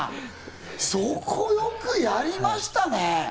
そこ、よくやりましたね！